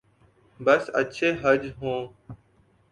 بس اچھے جج ہوں۔